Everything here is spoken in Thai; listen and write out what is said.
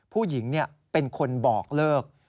ผู้หญิงเป็นคนบอกเลิก